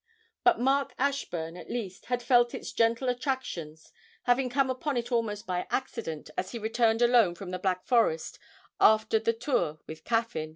But Mark Ashburn, at least, had felt its gentle attractions, having come upon it almost by accident, as he returned alone from the Black Forest after the tour with Caffyn.